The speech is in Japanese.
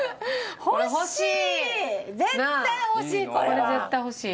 これ絶対欲しい。